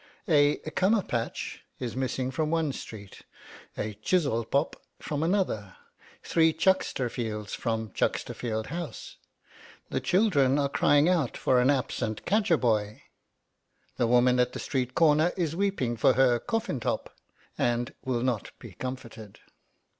A Cumberpatch is missing from one street a Chizzolpop from another three Chucksterfields from Chucksterfield House; the children are crying out for an absent Cadgerboy; the woman at the street corner is weeping for her Coffintop, and will not be comforted.